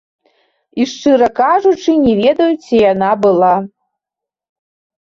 І шчыра кажучы, не ведаю, ці яна была.